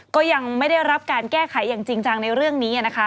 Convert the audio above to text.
ก็ยังไม่ได้รับการแก้ไขอย่างจริงจังในเรื่องนี้นะคะ